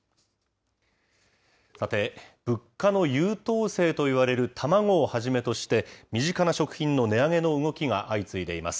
さて、物価の優等生といわれるたまごをはじめとして、身近な食品の値上げの動きが相次いでいます。